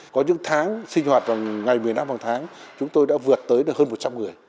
có những tháng sinh hoạt vào ngày một mươi năm hàng tháng chúng tôi đã vượt tới được hơn một trăm linh người